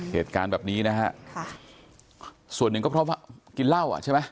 เหตุการณ์แบบนี้นะฮะค่ะส่วนหนึ่งก็เพราะว่ากินเหล้าอ่ะใช่ไหม